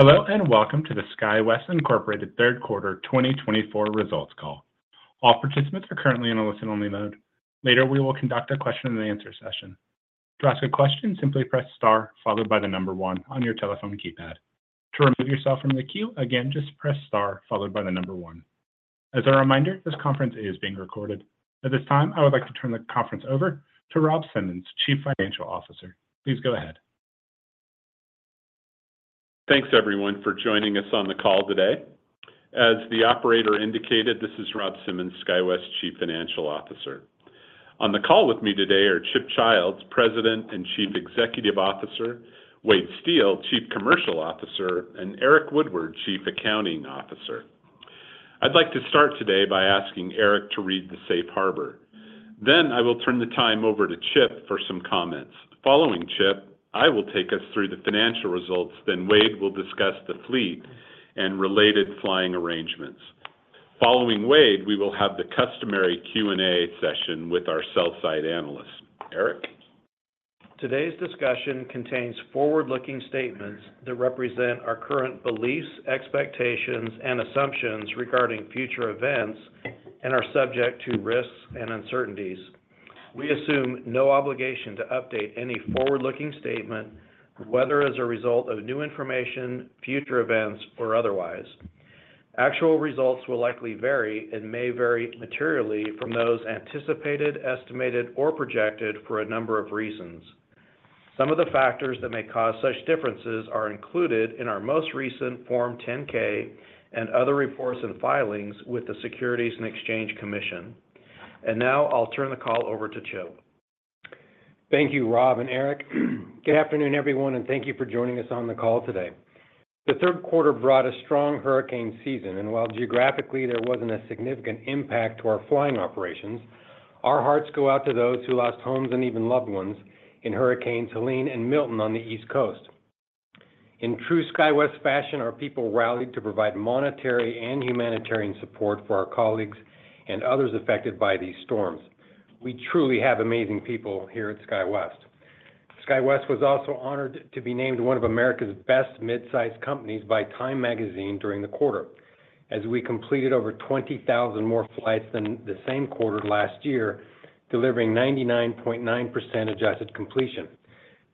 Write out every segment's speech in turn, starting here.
Hello and welcome to the SkyWest Incorporated Third Quarter 2024 results call. All participants are currently in a listen-only mode. Later, we will conduct a question-and-answer session. To ask a question, simply press star followed by the number one on your telephone keypad. To remove yourself from the queue, again, just press star followed by the number one. As a reminder, this conference is being recorded. At this time, I would like to turn the conference over to Rob Simmons, Chief Financial Officer. Please go ahead. Thanks, everyone, for joining us on the call today. As the operator indicated, this is Rob Simmons, SkyWest Chief Financial Officer. On the call with me today are Chip Childs, President and Chief Executive Officer; Wade Steel, Chief Commercial Officer; and Eric Woodward, Chief Accounting Officer. I'd like to start today by asking Eric to read the safe harbor. Then I will turn the time over to Chip for some comments. Following Chip, I will take us through the financial results, then Wade will discuss the fleet and related flying arrangements. Following Wade, we will have the customary Q&A session with our sell-side analysts. Eric? Today's discussion contains forward-looking statements that represent our current beliefs, expectations, and assumptions regarding future events and are subject to risks and uncertainties. We assume no obligation to update any forward-looking statement, whether as a result of new information, future events, or otherwise. Actual results will likely vary and may vary materially from those anticipated, estimated, or projected for a number of reasons. Some of the factors that may cause such differences are included in our most recent Form 10-K and other reports and filings with the Securities and Exchange Commission. Now I'll turn the call over to Chip. Thank you, Rob and Eric. Good afternoon, everyone, and thank you for joining us on the call today. The third quarter brought a strong hurricane season, and while geographically there wasn't a significant impact to our flying operations, our hearts go out to those who lost homes and even loved ones in Hurricanes Helene and Milton on the East Coast. In true SkyWest fashion, our people rallied to provide monetary and humanitarian support for our colleagues and others affected by these storms. We truly have amazing people here at SkyWest. SkyWest was also honored to be named one of America's best mid-sized companies by Time Magazine during the quarter, as we completed over 20,000 more flights than the same quarter last year, delivering 99.9% adjusted completion.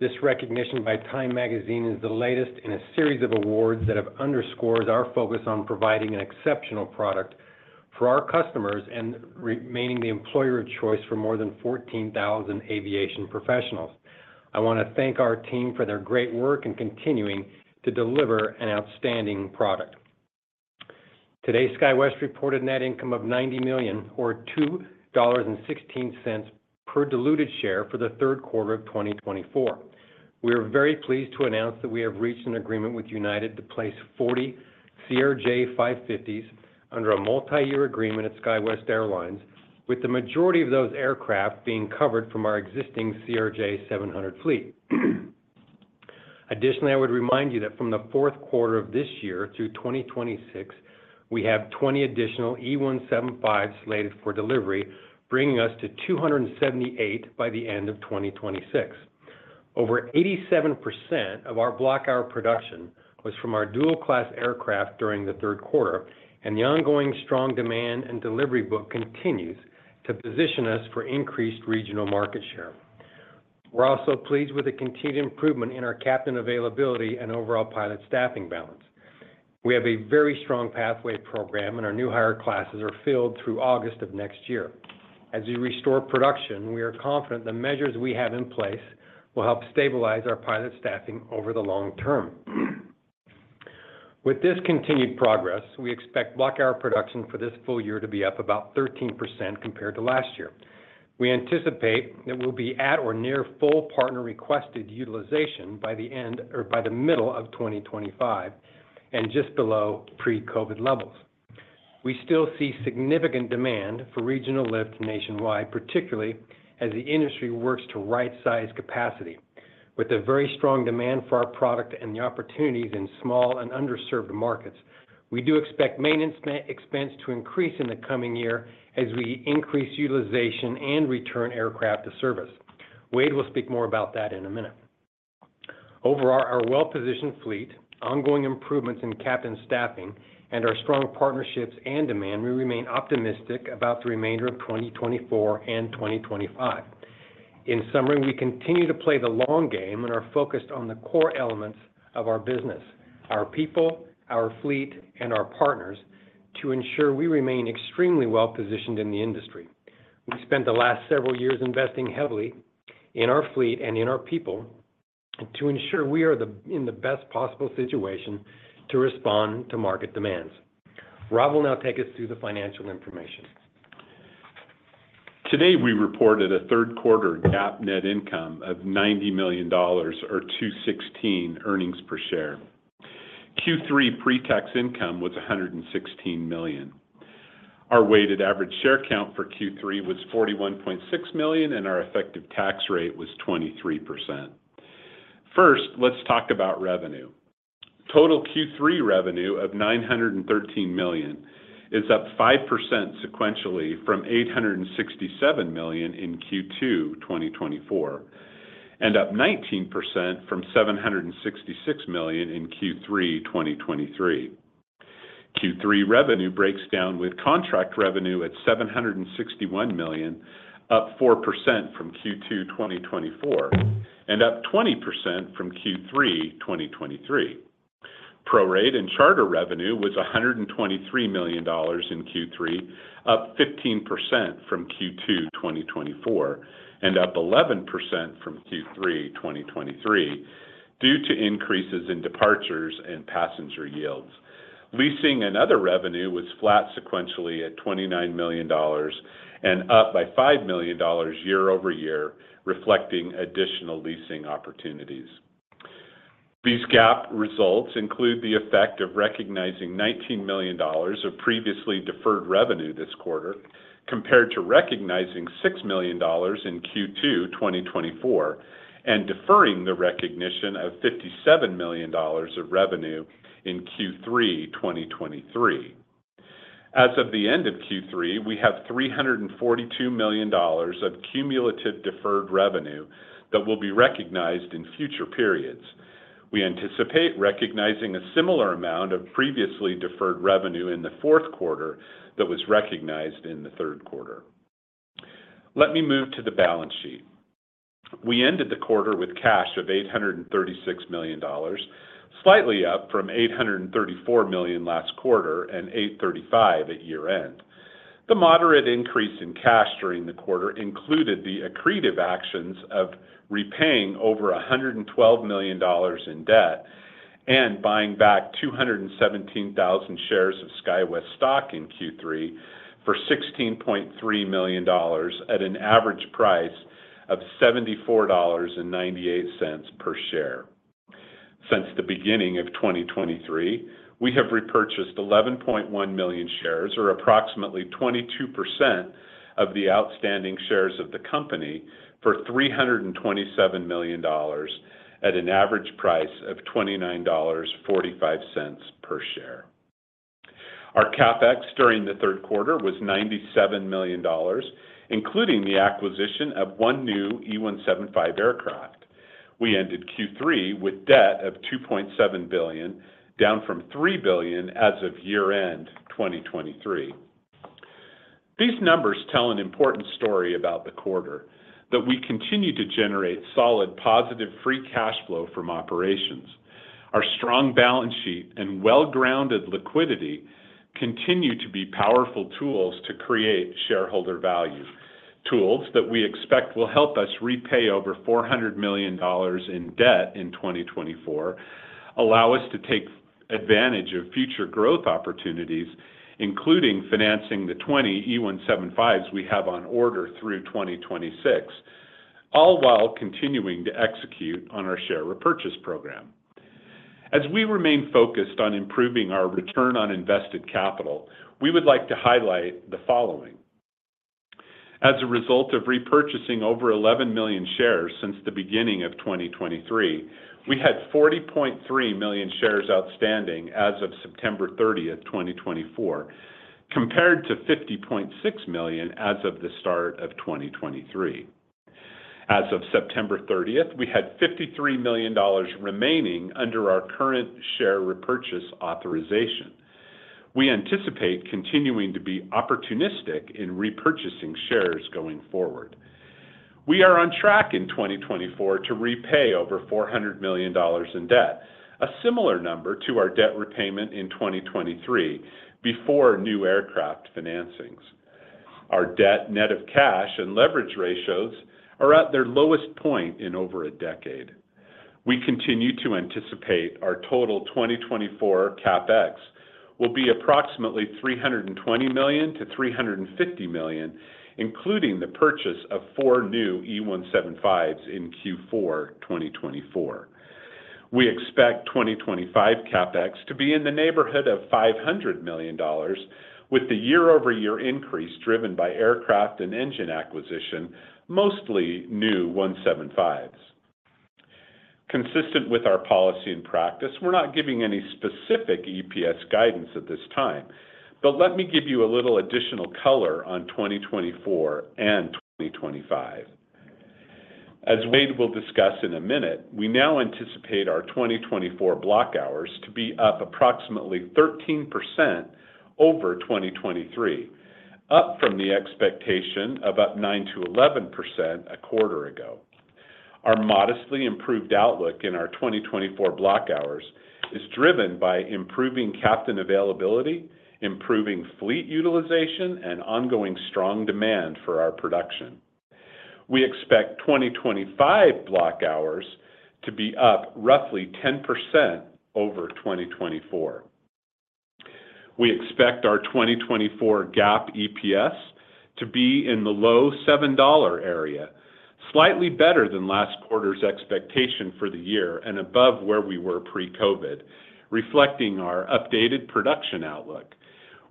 This recognition by Time Magazine is the latest in a series of awards that have underscored our focus on providing an exceptional product for our customers and remaining the employer of choice for more than 14,000 aviation professionals. I want to thank our team for their great work in continuing to deliver an outstanding product. Today, SkyWest reported net income of $90 million, or $2.16 per diluted share, for the third quarter of 2024. We are very pleased to announce that we have reached an agreement with United to place 40 CRJ-550s under a multi-year agreement at SkyWest Airlines, with the majority of those aircraft being covered from our existing CRJ-700 fleet. Additionally, I would remind you that from the fourth quarter of this year through 2026, we have 20 additional E175s slated for delivery, bringing us to 278 by the end of 2026. Over 87% of our block-hour production was from our dual-class aircraft during the third quarter, and the ongoing strong demand and delivery book continues to position us for increased regional market share. We're also pleased with the continued improvement in our captain availability and overall pilot staffing balance. We have a very strong pathway program, and our new hire classes are filled through August of next year. As we restore production, we are confident the measures we have in place will help stabilize our pilot staffing over the long term. With this continued progress, we expect block-hour production for this full year to be up about 13% compared to last year. We anticipate that we'll be at or near full partner-requested utilization by the end or by the middle of 2025 and just below pre-COVID levels. We still see significant demand for regional lift nationwide, particularly as the industry works to right-size capacity. With a very strong demand for our product and the opportunities in small and underserved markets, we do expect maintenance expense to increase in the coming year as we increase utilization and return aircraft to service. Wade will speak more about that in a minute. Over our well-positioned fleet, ongoing improvements in captain staffing, and our strong partnerships and demand, we remain optimistic about the remainder of 2024 and 2025. In summary, we continue to play the long game and are focused on the core elements of our business: our people, our fleet, and our partners to ensure we remain extremely well-positioned in the industry. We spent the last several years investing heavily in our fleet and in our people to ensure we are in the best possible situation to respond to market demands. Rob will now take us through the financial information. Today, we reported a third quarter GAAP net income of $90 million, or $2.16 earnings per share. Q3 pre-tax income was $116 million. Our weighted average share count for Q3 was 41.6 million, and our effective tax rate was 23%. First, let's talk about revenue. Total Q3 revenue of $913 million is up 5% sequentially from $867 million in Q2 2024 and up 19% from $766 million in Q3 2023. Q3 revenue breaks down with contract revenue at $761 million, up 4% from Q2 2024, and up 20% from Q3 2023. prorate and charter revenue was $123 million in Q3, up 15% from Q2 2024, and up 11% from Q3 2023 due to increases in departures and passenger yields. Leasing and other revenue was flat sequentially at $29 million and up by $5 million year-over-year, reflecting additional leasing opportunities. These GAAP results include the effect of recognizing $19 million of previously deferred revenue this quarter compared to recognizing $6 million in Q2 2024 and deferring the recognition of $57 million of revenue in Q3 2023. As of the end of Q3, we have $342 million of cumulative deferred revenue that will be recognized in future periods. We anticipate recognizing a similar amount of previously deferred revenue in the fourth quarter that was recognized in the third quarter. Let me move to the balance sheet. We ended the quarter with cash of $836 million, slightly up from $834 million last quarter and $835 million at year-end. The moderate increase in cash during the quarter included the accretive actions of repaying over $112 million in debt and buying back 217,000 shares of SkyWest stock in Q3 for $16.3 million at an average price of $74.98 per share. Since the beginning of 2023, we have repurchased 11.1 million shares, or approximately 22% of the outstanding shares of the company, for $327 million at an average price of $29.45 per share. Our CapEx during the third quarter was $97 million, including the acquisition of one new E175 aircraft. We ended Q3 with debt of $2.7 billion, down from $3 billion as of year-end 2023. These numbers tell an important story about the quarter: that we continue to generate solid, positive, free cash flow from operations. Our strong balance sheet and well-grounded liquidity continue to be powerful tools to create shareholder value, tools that we expect will help us repay over $400 million in debt in 2024, allow us to take advantage of future growth opportunities, including financing the 20 E175s we have on order through 2026, all while continuing to execute on our share repurchase program. As we remain focused on improving our return on invested capital, we would like to highlight the following. As a result of repurchasing over 11 million shares since the beginning of 2023, we had 40.3 million shares outstanding as of September 30, 2024, compared to 50.6 million as of the start of 2023. As of September 30, we had $53 million remaining under our current share repurchase authorization. We anticipate continuing to be opportunistic in repurchasing shares going forward. We are on track in 2024 to repay over $400 million in debt, a similar number to our debt repayment in 2023 before new aircraft financings. Our debt net of cash and leverage ratios are at their lowest point in over a decade. We continue to anticipate our total 2024 CapEx will be approximately $320 million to $350 million, including the purchase of four new E175s in Q4 2024. We expect 2025 CapEx to be in the neighborhood of $500 million, with the year-over-year increase driven by aircraft and engine acquisition, mostly new E175s. Consistent with our policy and practice, we're not giving any specific EPS guidance at this time, but let me give you a little additional color on 2024 and 2025. As Wade will discuss in a minute, we now anticipate our 2024 block hours to be up approximately 13% over 2023, up from the expectation of up 9%-11% a quarter ago. Our modestly improved outlook in our 2024 block hours is driven by improving captain availability, improving fleet utilization, and ongoing strong demand for our production. We expect 2025 block hours to be up roughly 10% over 2024. We expect our 2024 GAAP EPS to be in the low $7 area, slightly better than last quarter's expectation for the year and above where we were pre-COVID, reflecting our updated production outlook.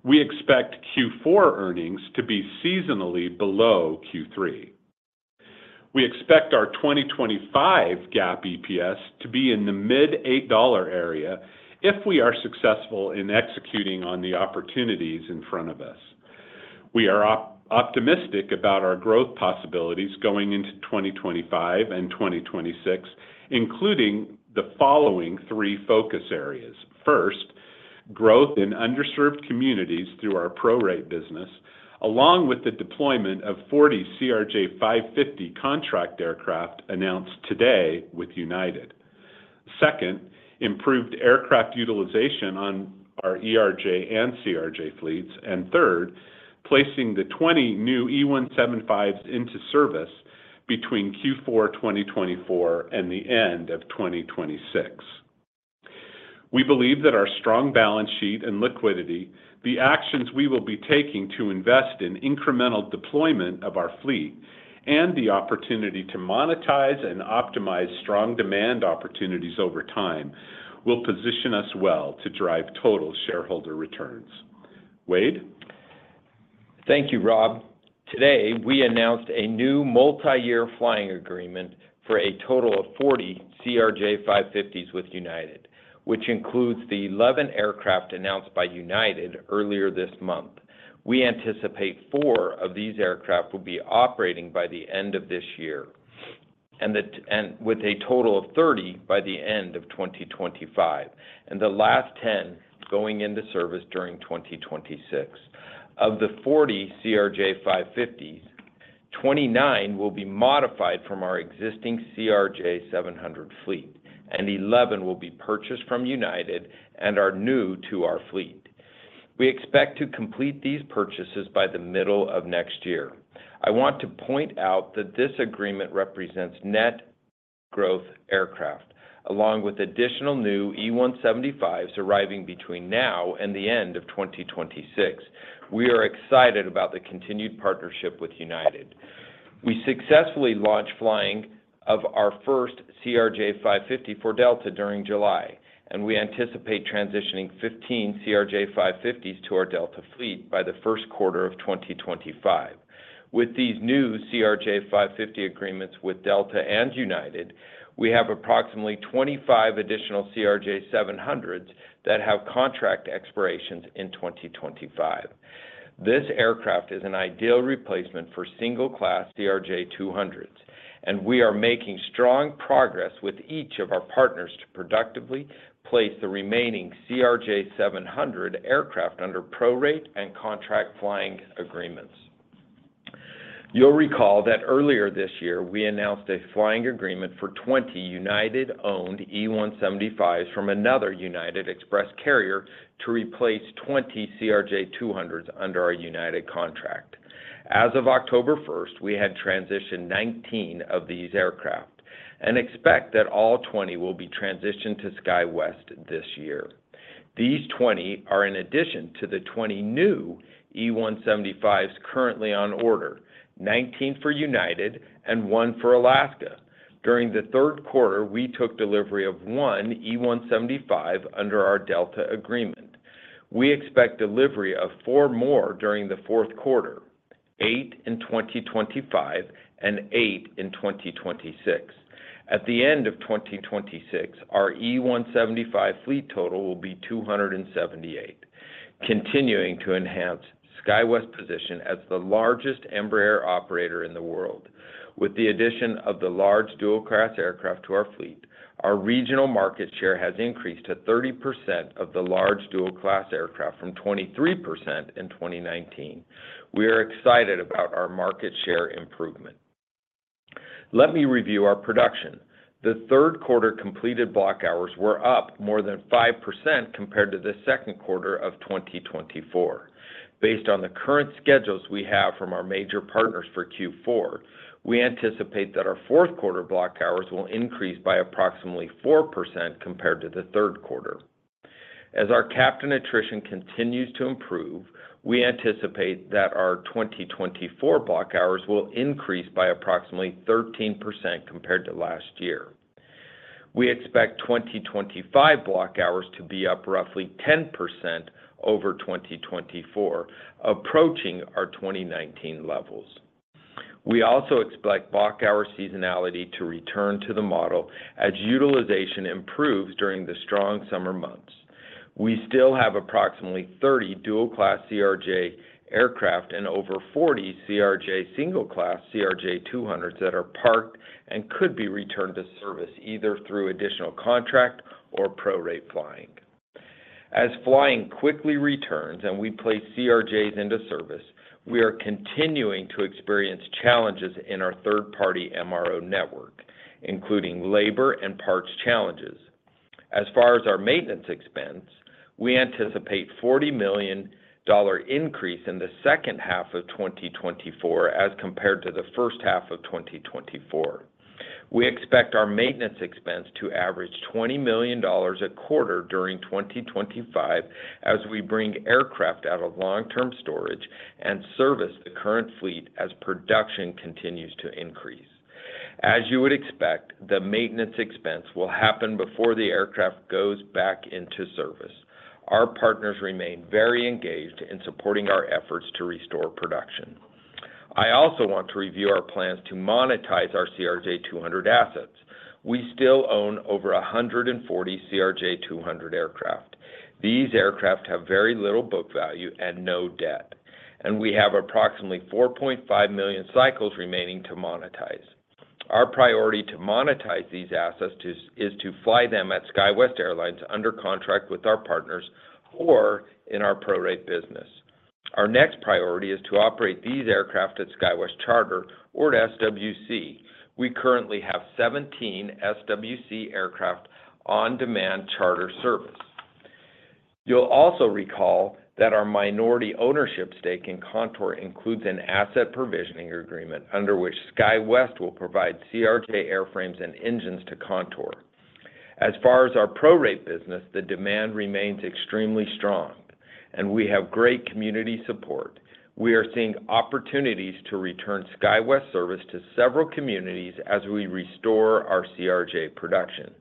We expect Q4 earnings to be seasonally below Q3. We expect our 2025 GAAP EPS to be in the mid-$8 area if we are successful in executing on the opportunities in front of us. We are optimistic about our growth possibilities going into 2025 and 2026, including the following three focus areas. First, growth in underserved communities through our prorate business, along with the deployment of 40 CRJ-550 contract aircraft announced today with United. Second, improved aircraft utilization on our ERJ and CRJ fleets. And third, placing the 20 new E175s into service between Q4 2024 and the end of 2026. We believe that our strong balance sheet and liquidity, the actions we will be taking to invest in incremental deployment of our fleet, and the opportunity to monetize and optimize strong demand opportunities over time will position us well to drive total shareholder returns. Wade. Thank you, Rob. Today, we announced a new multi-year flying agreement for a total of 40 CRJ-550s with United, which includes the 11 aircraft announced by United earlier this month. We anticipate four of these aircraft will be operating by the end of this year, and with a total of 30 by the end of 2025, and the last 10 going into service during 2026. Of the 40 CRJ-550s, 29 will be modified from our existing CRJ-700 fleet, and 11 will be purchased from United and are new to our fleet. We expect to complete these purchases by the middle of next year. I want to point out that this agreement represents net growth aircraft, along with additional new E175s arriving between now and the end of 2026. We are excited about the continued partnership with United. We successfully launched flying of our first CRJ-550 for Delta during July, and we anticipate transitioning 15 CRJ-550s to our Delta fleet by the first quarter of 2025. With these new CRJ-550 agreements with Delta and United, we have approximately 25 additional CRJ-700s that have contract expirations in 2025. This aircraft is an ideal replacement for single-class CRJ-200s, and we are making strong progress with each of our partners to productively place the remaining CRJ-700 aircraft under prorate and contract flying agreements. You'll recall that earlier this year, we announced a flying agreement for 20 United-owned E175s from another United Express carrier to replace 20 CRJ-200s under our United contract. As of October 1, we had transitioned 19 of these aircraft and expect that all 20 will be transitioned to SkyWest this year. These 20 are in addition to the 20 new E175s currently on order, 19 for United and one for Alaska. During the third quarter, we took delivery of one E175 under our Delta agreement. We expect delivery of four more during the fourth quarter, eight in 2025 and eight in 2026. At the end of 2026, our E175 fleet total will be 278, continuing to enhance SkyWest's position as the largest Embraer operator in the world. With the addition of the large dual-class aircraft to our fleet, our regional market share has increased to 30% of the large dual-class aircraft from 23% in 2019. We are excited about our market share improvement. Let me review our production. The third quarter completed block hours were up more than 5% compared to the second quarter of 2024. Based on the current schedules we have from our major partners for Q4, we anticipate that our fourth quarter block hours will increase by approximately 4% compared to the third quarter. As our captain attrition continues to improve, we anticipate that our 2024 block hours will increase by approximately 13% compared to last year. We expect 2025 block hours to be up roughly 10% over 2024, approaching our 2019 levels. We also expect block hour seasonality to return to the model as utilization improves during the strong summer months. We still have approximately 30 dual-class CRJ aircraft and over 40 CRJ single-class CRJ-200s that are parked and could be returned to service either through additional contract or prorate flying. As flying quickly returns and we place CRJs into service, we are continuing to experience challenges in our third-party MRO network, including labor and parts challenges. As far as our maintenance expense, we anticipate a $40 million increase in the second half of 2024 as compared to the first half of 2024. We expect our maintenance expense to average $20 million a quarter during 2025 as we bring aircraft out of long-term storage and service the current fleet as production continues to increase. As you would expect, the maintenance expense will happen before the aircraft goes back into service. Our partners remain very engaged in supporting our efforts to restore production. I also want to review our plans to monetize our CRJ-200 assets. We still own over 140 CRJ-200 aircraft. These aircraft have very little book value and no debt, and we have approximately 4.5 million cycles remaining to monetize. Our priority to monetize these assets is to fly them at SkyWest Airlines under contract with our partners or in our prorate business. Our next priority is to operate these aircraft at SkyWest Charter or SWC. We currently have 17 SWC aircraft on demand charter service. You'll also recall that our minority ownership stake in Contour includes an asset provisioning agreement under which SkyWest will provide CRJ airframes and engines to Contour. As far as our prorate business, the demand remains extremely strong, and we have great community support. We are seeing opportunities to return SkyWest service to several communities as we restore our CRJ production.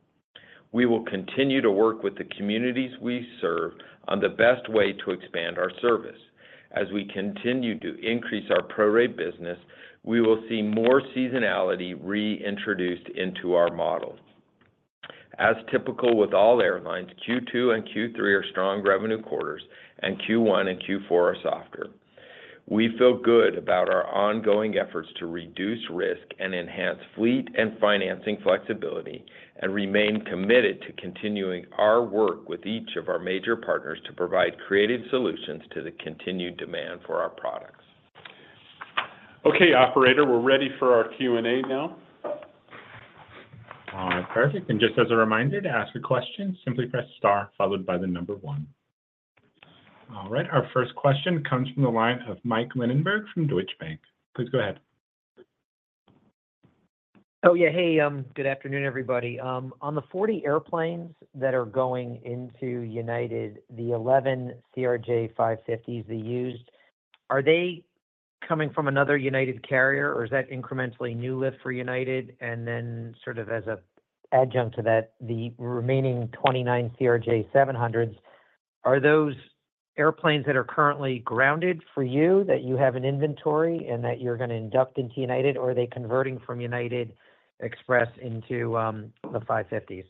We will continue to work with the communities we serve on the best way to expand our service. As we continue to increase our prorate business, we will see more seasonality reintroduced into our model. As typical with all airlines, Q2 and Q3 are strong revenue quarters, and Q1 and Q4 are softer. We feel good about our ongoing efforts to reduce risk and enhance fleet and financing flexibility and remain committed to continuing our work with each of our major partners to provide creative solutions to the continued demand for our products. Okay, Operator, we're ready for our Q&A now. All right, perfect. And just as a reminder, to ask a question, simply press star followed by the number one. All right, our first question comes from the line of Mike Lindenberg from Deutsche Bank. Please go ahead. Oh, yeah, hey, good afternoon, everybody. On the 40 airplanes that are going into United, the 11 CRJ-550s they used, are they coming from another United carrier, or is that incrementally new lift for United? And then sort of as an adjunct to that, the remaining 29 CRJ-700s, are those airplanes that are currently grounded for you that you have in inventory and that you're going to induct into United, or are they converting from United Express into the 550s?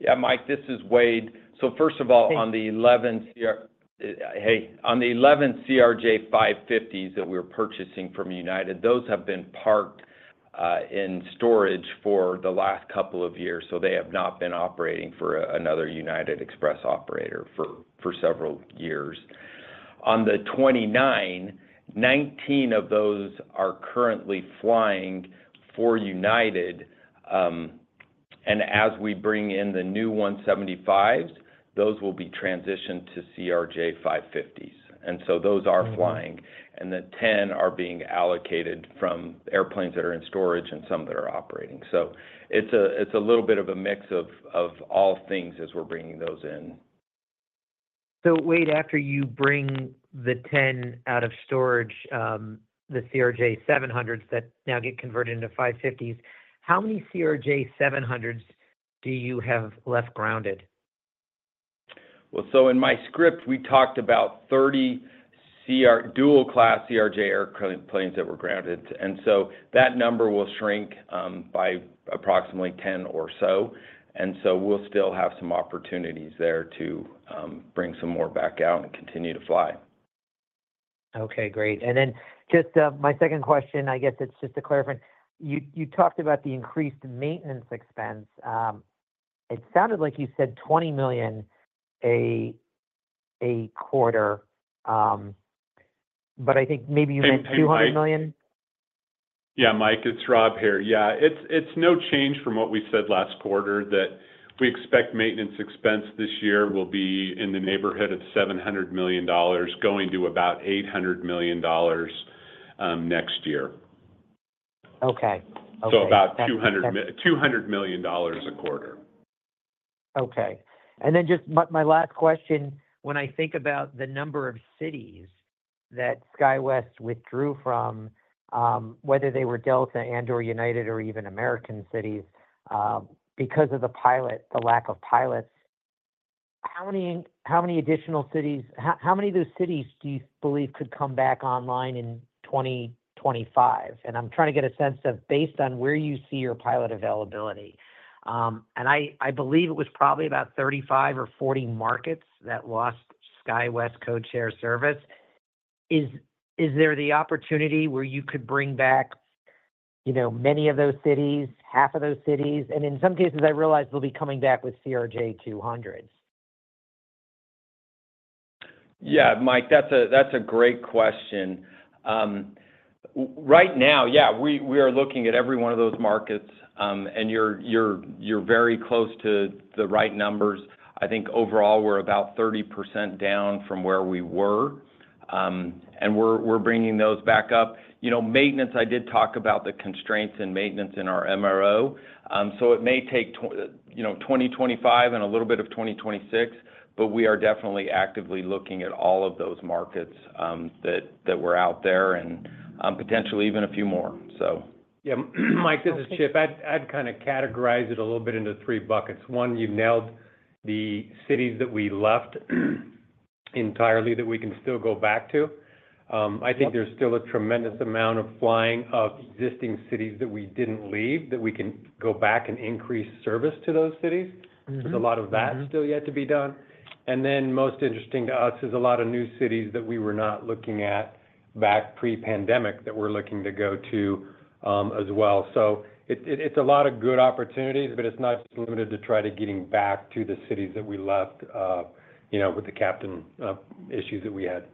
Yeah, Mike, this is Wade. So first of all, on the 11 CRJ-550s that we're purchasing from United, those have been parked in storage for the last couple of years, so they have not been operating for another United Express operator for several years. On the 29, 19 of those are currently flying for United, and as we bring in the new E175s, those will be transitioned to CRJ-550s. And so those are flying, and the 10 are being allocated from airplanes that are in storage and some that are operating. So it's a little bit of a mix of all things as we're bringing those in. So Wade, after you bring the 10 out of storage, the CRJ-700s that now get converted into 550s, how many CRJ-700s do you have left grounded? In my script, we talked about 30 dual-class CRJ airplanes that were grounded, and so that number will shrink by approximately 10 or so. We'll still have some opportunities there to bring some more back out and continue to fly. Okay, great. And then just my second question, I guess it's just a clarifying. You talked about the increased maintenance expense. It sounded like you said $20 million a quarter, but I think maybe you meant $200 million. Yeah, Mike, it's Rob here. Yeah, it's no change from what we said last quarter that we expect maintenance expense this year will be in the neighborhood of $700 million going to about $800 million next year. Okay. About $200 million a quarter. Okay. And then just my last question, when I think about the number of cities that SkyWest withdrew from, whether they were Delta and/or United or even American cities, because of the lack of pilots, how many additional cities, how many of those cities do you believe could come back online in 2025? And I'm trying to get a sense of, based on where you see your pilot availability, and I believe it was probably about 35 or 40 markets that lost SkyWest air service. Is there the opportunity where you could bring back many of those cities, half of those cities? And in some cases, I realize they'll be coming back with CRJ-200s. Yeah, Mike, that's a great question. Right now, yeah, we are looking at every one of those markets, and you're very close to the right numbers. I think overall, we're about 30% down from where we were, and we're bringing those back up. Maintenance, I did talk about the constraints in maintenance in our MRO. So it may take 2025 and a little bit of 2026, but we are definitely actively looking at all of those markets that were out there and potentially even a few more, so. Yeah, Mike, this is Chip. I'd kind of categorize it a little bit into three buckets. One, you nailed the cities that we left entirely that we can still go back to. I think there's still a tremendous amount of flying of existing cities that we didn't leave that we can go back and increase service to those cities. There's a lot of that still yet to be done. And then most interesting to us is a lot of new cities that we were not looking at back pre-pandemic that we're looking to go to as well. So it's a lot of good opportunities, but it's not just limited to trying to get back to the cities that we left with the captain issues that we had.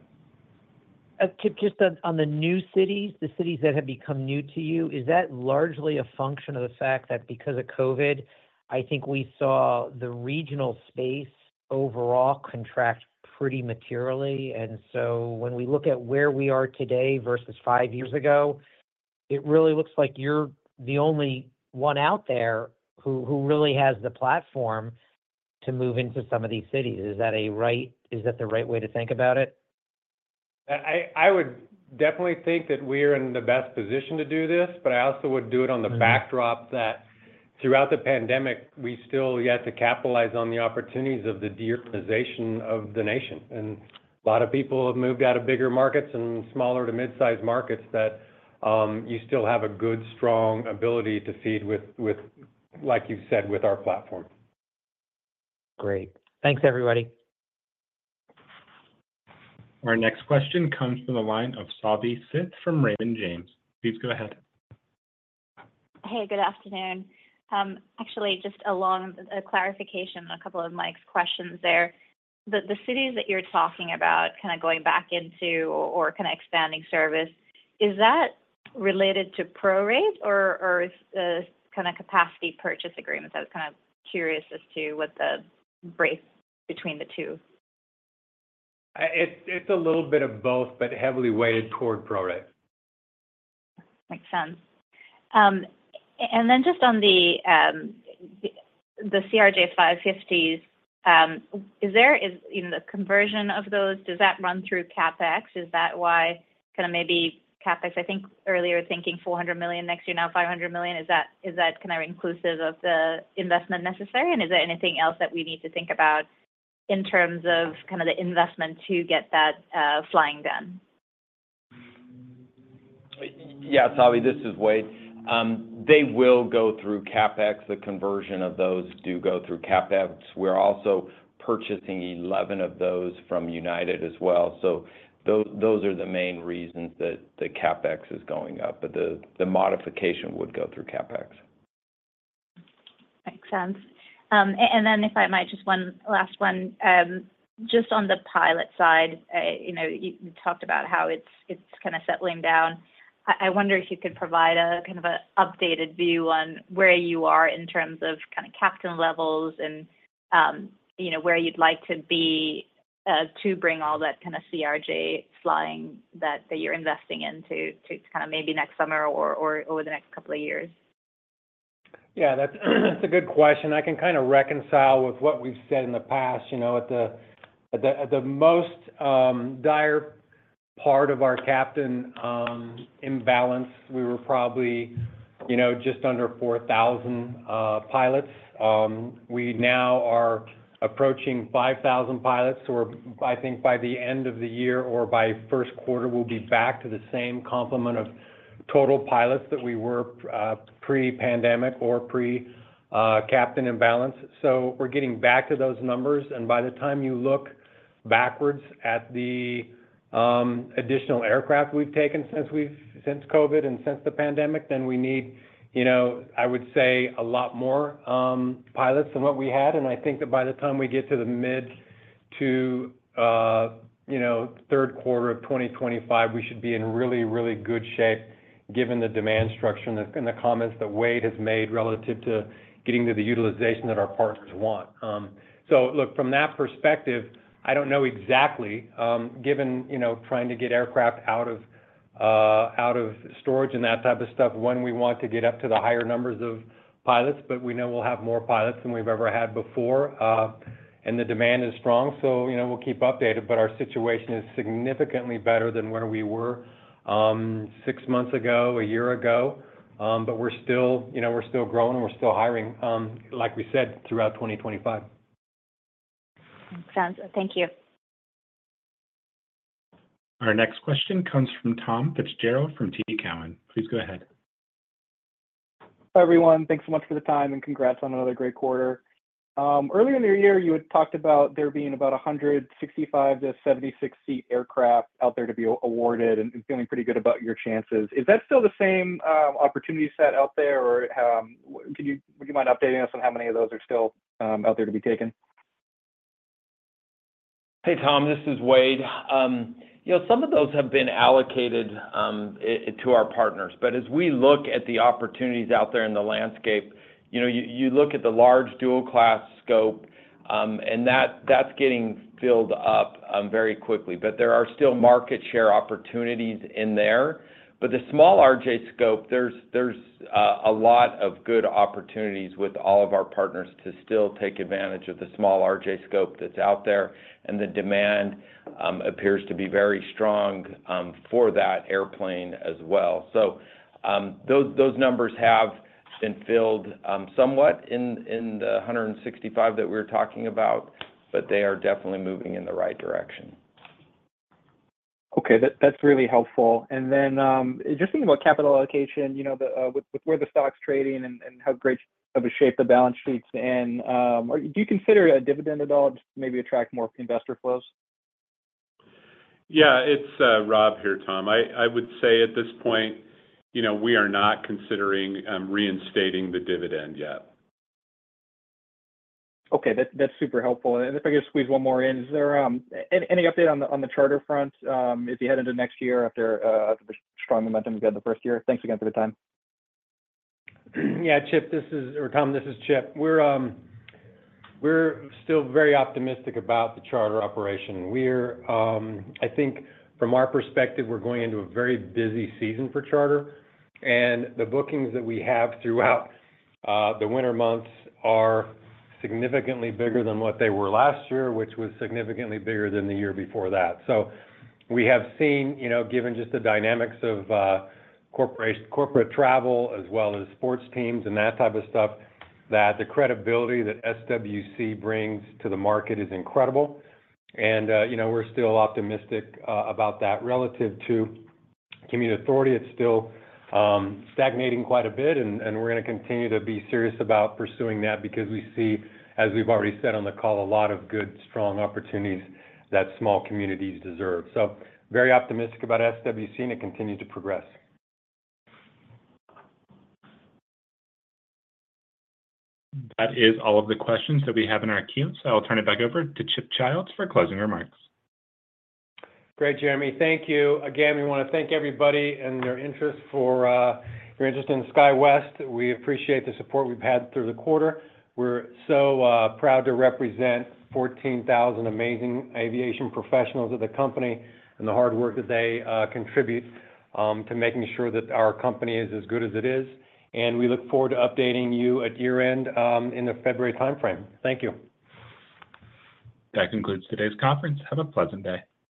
Chip, just on the new cities, the cities that have become new to you, is that largely a function of the fact that because of COVID, I think we saw the regional space overall contract pretty materially? And so when we look at where we are today versus five years ago, it really looks like you're the only one out there who really has the platform to move into some of these cities. Is that the right way to think about it? I would definitely think that we are in the best position to do this, but I also would do it on the backdrop that throughout the pandemic, we still yet to capitalize on the opportunities of the de-urbanization of the nation, and a lot of people have moved out of bigger markets and smaller to mid-sized markets that you still have a good, strong ability to feed, like you said, with our platform. Great. Thanks, everybody. Our next question comes from the line of Savanthi Syth from Raymond James. Please go ahead. Hey, good afternoon. Actually, just a clarification on a couple of Mike's questions there. The cities that you're talking about kind of going back into or kind of expanding service, is that related to prorate or kind of capacity purchase agreements? I was kind of curious as to what the break between the two. It's a little bit of both, but heavily weighted toward prorate. Makes sense. And then just on the CRJ-550s, is there the conversion of those? Does that run through CapEx? Is that why kind of maybe CapEx, I think earlier thinking $400 million next year, now $500 million? Is that kind of inclusive of the investment necessary? And is there anything else that we need to think about in terms of kind of the investment to get that flying done? Yeah, Savi, this is Wade. They will go through CapEx. The conversion of those do go through CapEx. We're also purchasing 11 of those from United as well. So those are the main reasons that the CapEx is going up, but the modification would go through CapEx. Makes sense. And then if I might, just one last one. Just on the pilot side, you talked about how it's kind of settling down. I wonder if you could provide kind of an updated view on where you are in terms of kind of captain levels and where you'd like to be to bring all that kind of CRJ flying that you're investing into to kind of maybe next summer or over the next couple of years. Yeah, that's a good question. I can kind of reconcile with what we've said in the past. At the most dire part of our captain imbalance, we were probably just under 4,000 pilots. We now are approaching 5,000 pilots. So I think by the end of the year or by first quarter, we'll be back to the same complement of total pilots that we were pre-pandemic or pre-captain imbalance. So we're getting back to those numbers, and by the time you look backwards at the additional aircraft we've taken since COVID and since the pandemic, then we need, I would say, a lot more pilots than what we had. I think that by the time we get to the mid to third quarter of 2025, we should be in really, really good shape given the demand structure and the comments that Wade has made relative to getting to the utilization that our partners want. So look, from that perspective, I don't know exactly, given trying to get aircraft out of storage and that type of stuff when we want to get up to the higher numbers of pilots, but we know we'll have more pilots than we've ever had before, and the demand is strong. So we'll keep updated, but our situation is significantly better than where we were six months ago, a year ago. But we're still growing and we're still hiring, like we said, throughout 2025. Makes sense. Thank you. Our next question comes from Tom Fitzgerald from TD Cowen. Please go ahead. Hi everyone. Thanks so much for the time and congrats on another great quarter. Earlier in the year, you had talked about there being about 165 to 76-seat aircraft out there to be awarded and feeling pretty good about your chances. Is that still the same opportunity set out there, or would you mind updating us on how many of those are still out there to be taken? Hey, Tom, this is Wade. Some of those have been allocated to our partners. But as we look at the opportunities out there in the landscape, you look at the large dual-class scope, and that's getting filled up very quickly. But there are still market share opportunities in there. But the small RJ scope, there's a lot of good opportunities with all of our partners to still take advantage of the small RJ scope that's out there, and the demand appears to be very strong for that airplane as well. So those numbers have been filled somewhat in the 165 that we were talking about, but they are definitely moving in the right direction. Okay, that's really helpful, and then just thinking about capital allocation, with where the stock's trading and how great of a shape the balance sheet's in, do you consider a dividend at all to maybe attract more investor flows? Yeah, it's Rob here, Tom. I would say at this point, we are not considering reinstating the dividend yet. Okay, that's super helpful. And if I could squeeze one more in, is there any update on the charter front as you head into next year after the strong momentum you had the first year? Thanks again for the time. Yeah, Chip, this is Tom, this is Chip. We're still very optimistic about the charter operation. I think from our perspective, we're going into a very busy season for charter, and the bookings that we have throughout the winter months are significantly bigger than what they were last year, which was significantly bigger than the year before that. So we have seen, given just the dynamics of corporate travel as well as sports teams and that type of stuff, that the credibility that SWC brings to the market is incredible. And we're still optimistic about that. Relative to community authority, it's still stagnating quite a bit, and we're going to continue to be serious about pursuing that because we see, as we've already said on the call, a lot of good, strong opportunities that small communities deserve. So very optimistic about SWC and it continues to progress. That is all of the questions that we have in our queue, so I'll turn it back over to Chip Childs for closing remarks. Great, Jeremy. Thank you. Again, we want to thank everybody and your interest in SkyWest. We appreciate the support we've had through the quarter. We're so proud to represent 14,000 amazing aviation professionals at the company and the hard work that they contribute to making sure that our company is as good as it is. And we look forward to updating you at year-end in the February timeframe. Thank you. That concludes today's conference. Have a pleasant day.